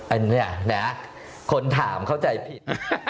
อันนี้นะคนถามเข้าใจผิด